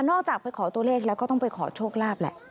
ออกไปขอตัวเลขแล้วก็ต้องไปขอโชคลาภแหละ